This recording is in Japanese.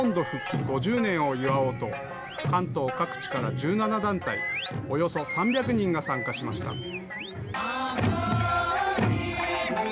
復帰５０年を祝おうと、関東各地から１７団体、およそ３００人が参加しました。